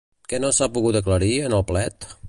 Què no s'ha pogut aclarir en el plet?